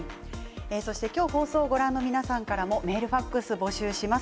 今日放送をご覧の皆さんからもメール、ファックスを募集します。